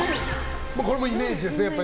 これもイメージですね。